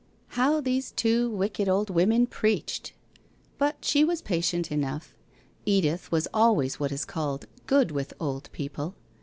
How these two wicked old women preached! But she was patient enough. Ivlith was always what is called * good ' with old people.